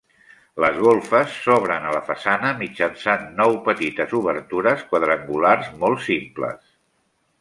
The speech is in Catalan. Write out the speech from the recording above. Les golfes s'obren a la façana mitjançant nou petites obertures quadrangulars molt simples.